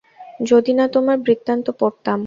যদি না তোমার বৃত্তান্ত পড়তাম।